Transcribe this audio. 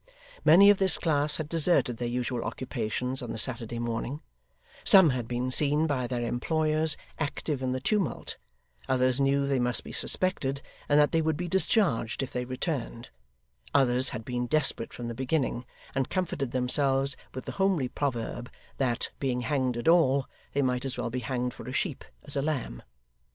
Many of this class had deserted their usual occupations on the Saturday morning; some had been seen by their employers active in the tumult; others knew they must be suspected, and that they would be discharged if they returned; others had been desperate from the beginning, and comforted themselves with the homely proverb, that, being hanged at all, they might as well be hanged for a sheep as a lamb.